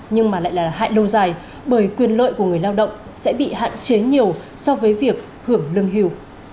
nhưng mà lại là hại lâu dài bởi quyền lợi của người lao động sẽ bị hạn chế nhiều so với việc hưởng lương hưu